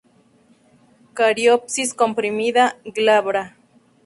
Cariopsis comprimida, glabra.